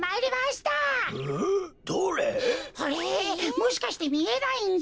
もしかしてみえないんじゃ？